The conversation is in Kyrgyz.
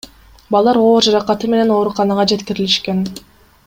Балдар оор жаракаты менен ооруканага жеткирилишкен.